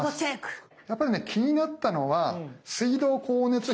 やっぱりね気になったのは水道光熱費の中のね電気代。